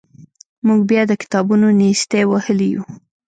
موږ بیا د کتابونو نیستۍ وهلي وو.